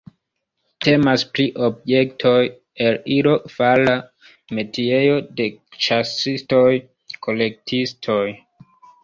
Temas pri objektoj el ilo-fara metiejo de ĉasistoj-kolektistoj.